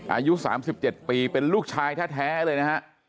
อายุ๓๗ปีเป็นลูกชายแท้เลยนะฮะ